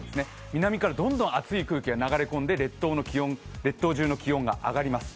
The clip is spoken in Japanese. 南からどんどん熱い空気を送り込んで列島中の気温が上がります。